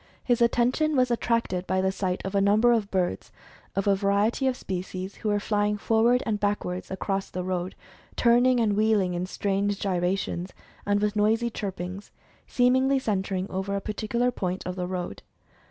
His at tention was attracted by the sight of a number of birds, of a variety of species, who were flying forward and backward across the road, turning and wheeling in strange gyrations, and with noisy chirpings, seemingly centering over a particular point of the road.